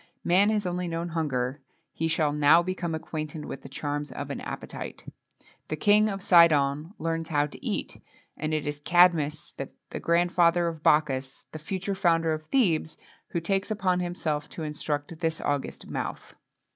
Man has only known hunger; he shall now become acquainted with the charms of an appetite. The King of Sidon learns how to eat, and it is Cadmus, the grandfather of Bacchus, the future founder of Thebes, who takes upon himself to instruct this august mouth.